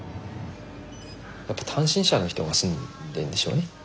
やっぱ単身者の人が住んでるんでしょうね。